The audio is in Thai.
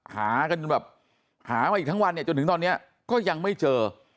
หากันแบบหามาอีกทั้งวันเนี่ยจนถึงตอนนี้ก็ยังไม่เจอ